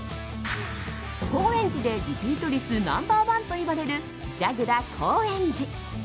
高円寺でリピート率ナンバー１といわれる、じゃぐら高円寺。